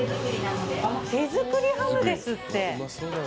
手作りハムですって。